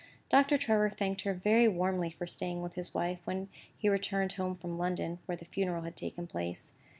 Doctor Trevor thanked her very warmly for staying with his wife, when he returned home from London (where the funeral had taken place).